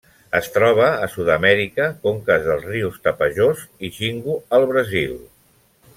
Es troba a Sud-amèrica: conques dels rius Tapajós i Xingu al Brasil.